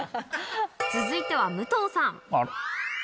続いては武藤さん。